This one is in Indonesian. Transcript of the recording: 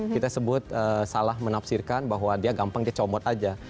kita sebut salah menafsirkan bahwa dia gampang dia comot aja